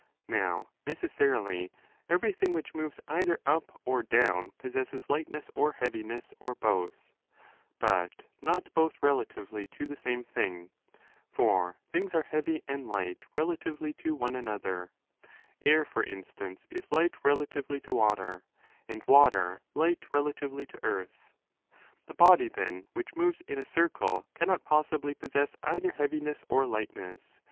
Now, necessarily,' every thing which moves either up or down possesses lightness or heaviness or both—but not both relatively to the same thing: for things are heavy and light relatively to one another ; air, for instance, is light relatively to water, and 30 water light relatively to earth. The body, then, which moves in a circle cannot possibly possess either heaviness or lightness.